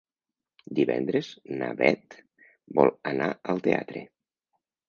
Divendres na Beth vol anar al teatre.